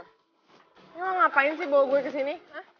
lu ngapain sih bawa gue kesini